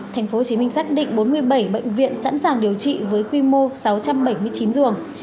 tp hcm xác định bốn mươi bảy bệnh viện sẵn sàng điều trị với quy mô sáu trăm bảy mươi chín giường